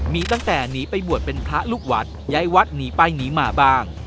มีตั้งแต่หนีไปบวชเป็นพระลูกวัดย้ายวัดหนีไปหนีมาบ้าง